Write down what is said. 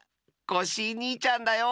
コッシーにいちゃんだよ。